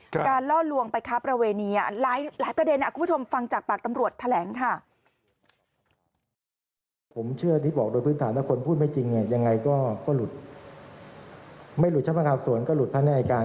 การล่อลวงไปค้าประเวณีหลายประเด็นคุณผู้ชมฟังจากปากตำรวจแถลงค่ะ